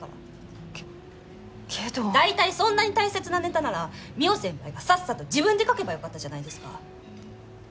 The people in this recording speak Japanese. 大体そんなに大切なネタなら望緒先輩がさっさと自分で描けばよかったじゃないですか！